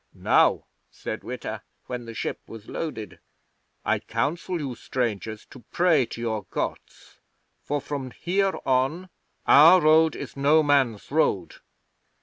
'"Now," said Witta, when the ship was loaded, "I counsel you strangers to pray to your Gods, for from here on, our road is No Man's road."